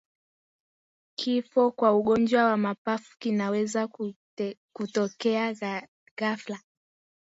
Kifo kwa ugonjwa wa mapafu kinaweza kutokea ghafla